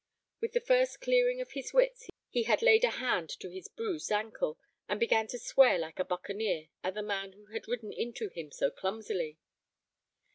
With the first clearing of his wits he laid a hand to his bruised ankle, and began to swear like a buccaneer at the man who had ridden into him so clumsily.